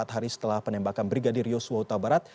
empat hari setelah penembakan brigadir yosua utabarat